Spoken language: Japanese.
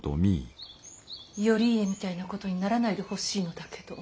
頼家みたいなことにならないでほしいのだけど。